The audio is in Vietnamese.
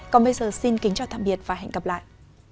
còn bây giờ xin kính chào tạm biệt và hẹn gặp lại